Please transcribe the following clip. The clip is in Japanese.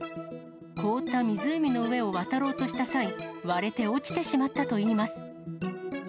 凍った湖の上を渡ろうとした際、割れて落ちてしまったといいます。